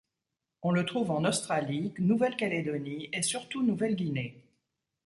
On le trouve en Australie, Nouvelle-Calédonie et surtout Nouvelle-Guinée.